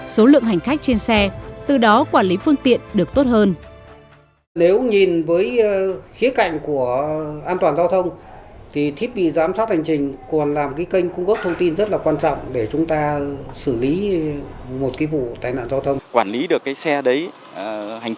số lượng hành khách trên xe từ đó quản lý phương tiện được tốt hơn